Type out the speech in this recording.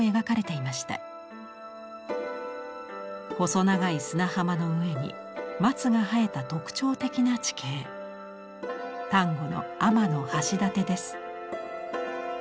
細長い砂浜の上に松が生えた特徴的な地形丹後の天橋立です。